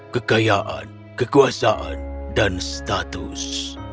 kekayaan kekuasaan dan status